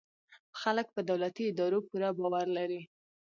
خلک په دولتي ادارو پوره باور لري.